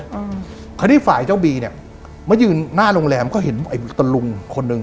แล้วทีนี้ฝ่ายเจ้าบีมายืนหน้าโรงแรมก็เห็นดูลุงคนหนึ่ง